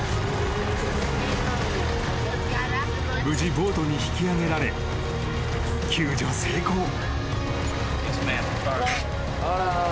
［無事ボートに引き上げられ救助成功］